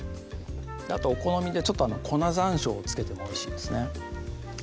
あとお好みで粉ざんしょうを付けてもおいしいですね